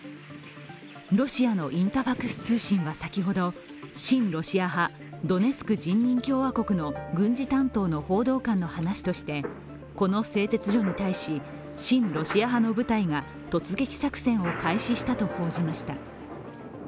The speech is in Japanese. ロシアのインタファクス通信は先ほど、新ロシア派、ドネツク人民共和国の軍事担当の報道官の話としてこの製鉄所に対し親ロシア派の部隊が突撃作戦を開始したと報じました。